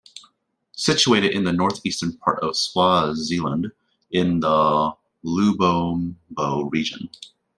Situated in the north eastern part of Swaziland in the Lubombo Region.